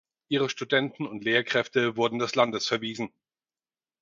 Ihre Studenten und Lehrkräfte wurden des Landes verwiesen.